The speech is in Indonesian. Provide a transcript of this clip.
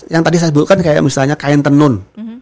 yang tadi saya sebutkan kayak misalnya kain tenun